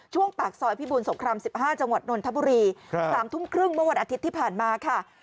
ปากซอยพิบูรสงคราม๑๕จังหวัดนนทบุรี๓ทุ่มครึ่งเมื่อวันอาทิตย์ที่ผ่านมาค่ะ